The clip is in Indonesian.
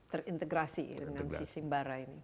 terintegrasi dengan simbara ini